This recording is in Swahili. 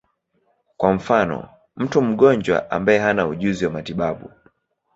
Kwa mfano, mtu mgonjwa ambaye hana ujuzi wa matibabu.